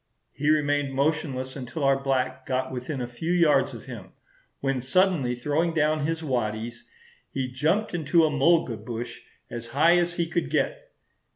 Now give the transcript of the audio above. He remained motionless until our black got within a few yards of him, when suddenly throwing down his waddies, he jumped into a mulga bush as high as he could get."